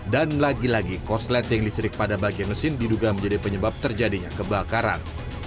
dan lagi lagi korsleting listrik pada bagian mesin diduga menjadi penyebab terjadinya kebakaran